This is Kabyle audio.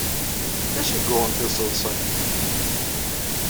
D acu ay yuɣen tiseḍsa-inu?